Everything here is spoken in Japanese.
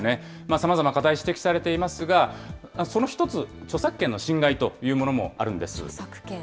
さまざまな課題、指摘されていますが、その一つ、著作権の侵害というものもあ著作権。